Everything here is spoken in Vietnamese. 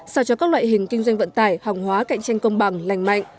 sao cho các loại hình kinh doanh vận tải hàng hóa cạnh tranh công bằng lành mạnh